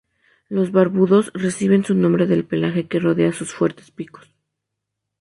Los barbudos reciben su nombre del pelaje que rodea sus fuertes picos.